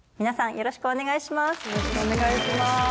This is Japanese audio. よろしくお願いします。